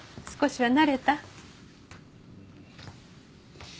少しは慣れた？